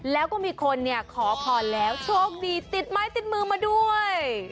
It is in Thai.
แล้วก็มีคนเนี่ยขอพรแล้วโชคดีติดไม้ติดมือมาด้วย